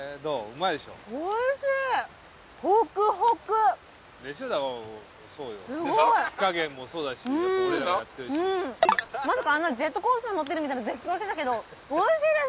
まさかあんなジェットコースター乗ってるみたいな絶叫してたけどおいしいです！